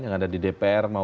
yang ada di dpr